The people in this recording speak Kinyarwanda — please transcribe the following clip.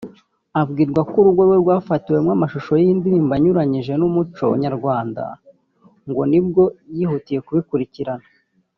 abwirwa ko urugo rwe rwafatiwemo amashusho y’indirimbo “anyuranije n’umuco nyarwanda” ngo nibwo yihutiye kubikurikirana